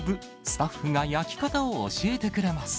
スタッフが焼き方を教えてくれます。